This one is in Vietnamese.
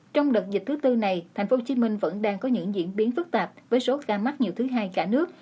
trong đợt dịch thứ tư này tp hcm vẫn đang có những diễn biến phức tạp với số ca mắc nhiều thứ hai cả nước